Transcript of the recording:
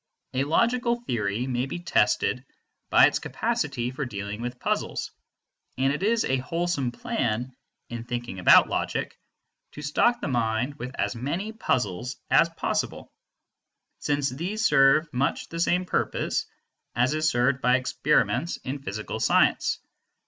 A logical theory may be tested by its capacity for dealing with puzzles, and it is a wholesome plan, in thinking about logic, to stock the mind with as many puzzles as possible, since these serve much the same purpose as is served by experiments in physical science.